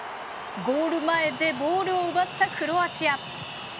ゴール前でボールを奪ったクロアチア。